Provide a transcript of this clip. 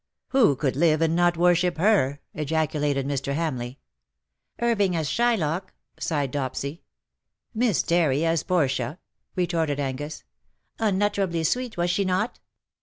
^'' Who could live and not worship her?" ejaculated Mr. Hamleigh. '' Irving as Shylock !" sighed Dopsy. " Miss Terry as Portia," retorted Angus. " Unutterably sweet, was she not